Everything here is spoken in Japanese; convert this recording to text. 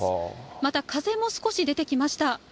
また風も少し出てきました。